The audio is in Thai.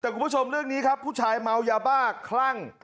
แต่คุณผู้ชมเรื่องนี้ครับผู้ชายเมายาบ้าคลั่ง